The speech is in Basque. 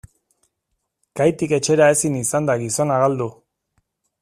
Kaitik etxera ezin izan da gizona galdu.